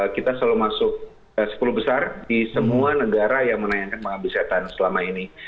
kita selalu masuk sepuluh besar di semua negara yang menayangkan pengabdi setan selama ini